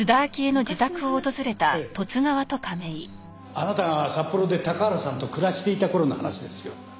あなたが札幌で高原さんと暮らしていた頃の話ですよ。